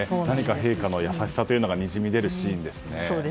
陛下の優しさというのがにじみ出るシーンですね。